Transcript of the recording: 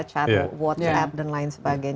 chat whatsapp dan lain sebagainya